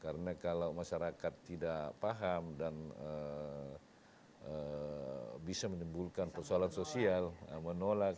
karena kalau masyarakat tidak paham dan bisa menimbulkan persoalan sosial menolak